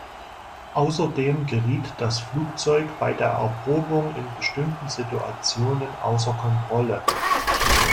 Außerdem geriet das Flugzeug bei der Erprobung in bestimmten Situationen außer Kontrolle.